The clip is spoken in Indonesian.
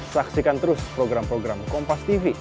saksikan terus program program kompastv